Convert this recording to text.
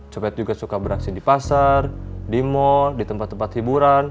copet juga suka beraksi di pasar di mall di tempat tempat hiburan